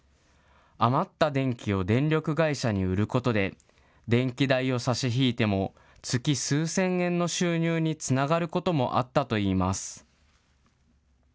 余った電気を電力会社に売ることで、電気代を差し引いても月数千円の収入につながることもあったといいます。